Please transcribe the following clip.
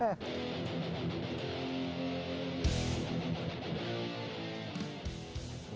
itu anak punk